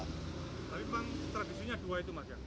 tapi bang tradisinya dua itu mas ya